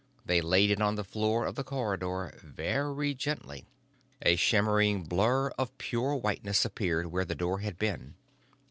They laid it on the floor of the corridor, very gently. A shimmering blur of pure whiteness appeared where the door had been.